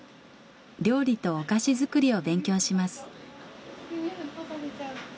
料理とお菓子作りを勉強します。